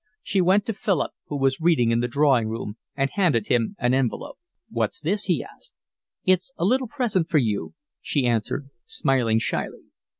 She went to Philip, who was reading in the drawing room, and handed him an envelope. "What's this?" he asked. "It's a little present for you," she answered, smiling shyly.